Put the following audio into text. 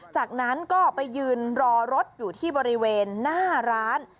จากนั้นก็ไปยืนรอรถอยู่ที่บริเวณหน้าร้าน